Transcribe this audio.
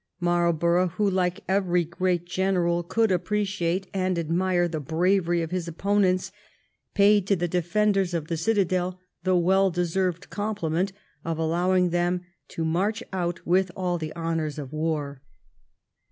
Marlborough, who, like every great general, could appreciate and admire the bravery of his opponents, paid to the defenders of the citadel the well deserved compliment of allowing them to march out with all the honours of war.